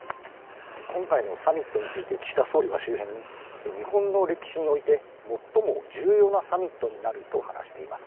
今回のサミットについて岸田総理は周辺に、日本の歴史において最も重要なサミットになると話しています。